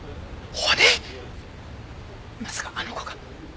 まさかあの子が？